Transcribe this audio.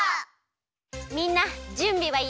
みんなじゅんびはいい？